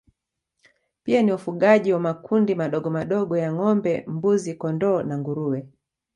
Pia ni wafugaji wa makundi madogomadogo ya ngombe mbuzi kondoo na nguruwe